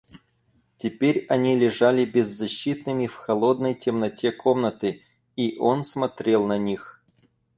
Теперь они лежали беззащитными в холодной темноте комнаты, и он смотрел на них.